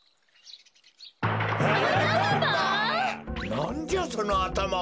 なんじゃそのあたまは！？